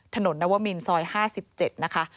นวมินซอย๕๗นะคะ